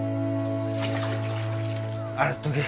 洗っとけ。